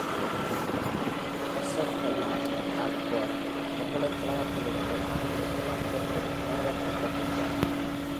Purser-Hallard Oxford பல்கலைக்கழகத்திலிருந்து ஆங்கில இலக்கியத்தில் முனைவர் பட்டம் பெற்றார்.